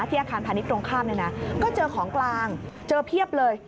ที่อาคารพาณิชย์ตรงข้ามก็เจอของกลางเจอเพียบเลย